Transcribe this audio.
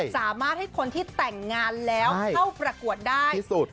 สามารถให้คนที่แต่งงานแล้วเข้าประกวดได้